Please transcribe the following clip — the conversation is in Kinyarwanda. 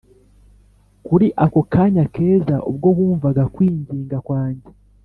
kuri ako kanya keza ubwo wumvaga kwinginga kwanjye,